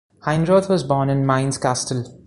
Heinroth was born in Mainz-Kastel.